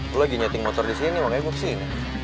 lo lagi nyeting motor disini makanya gue kesini